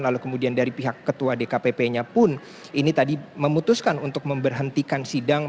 lalu kemudian dari pihak ketua dkpp nya pun ini tadi memutuskan untuk memberhentikan sidang